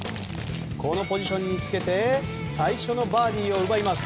このポジションにつけて最初のバーディーを奪います。